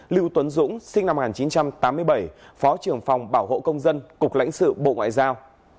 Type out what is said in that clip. lưu tuấn dũng sinh năm một nghìn chín trăm tám mươi bảy phó trưởng phòng bảo hộ công dân cục lãnh sự bộ ngoại giao